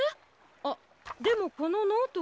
あっでもこのノートが。